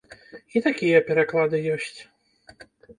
І такія пераклады ёсць.